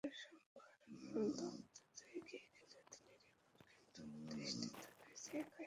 গোলের সংখ্যায় রোনালদো আপাতত এগিয়ে গেলেও কিছু রেকর্ডে কিন্তু অধিষ্ঠিত মেসি একাই।